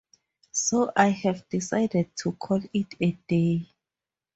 So I have decided to call it a day.